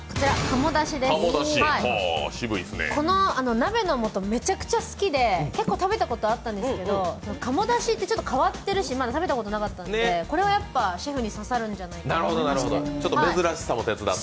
鍋の素めちゃくちゃ好きで結構食べたことあったんですけど鴨だしってちょっと変わってるし、食べたことなかったんでこれはシェフに刺さるんじゃないかと思いました。